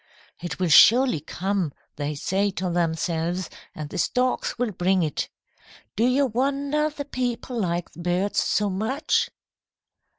"'It will surely come,' they say to themselves, 'and the storks will bring it.' Do you wonder the people like the birds so much?"